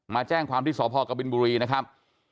มาแจ้งความที่สพกบินบุรีนะครับ